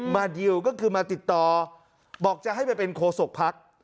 มาดีลก็คือมาติดต่อบอกจะให้ไปเป็นโครสกพัก